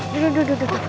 duduk duduk duduk